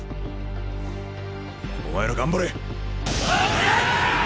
お前ら頑張れ！